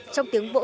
trong tiếng vỗ